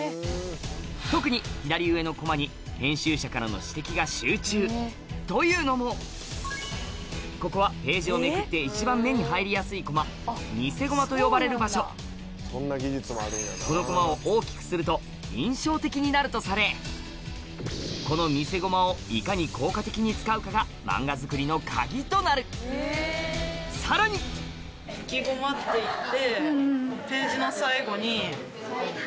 特に左上のコマに編集者からの指摘が集中というのもここはページをめくって一番目に入りやすいコマ見せゴマと呼ばれる場所なるとされこの見せゴマをいかに効果的に使うかがマンガ作りの鍵となるさらにっていって。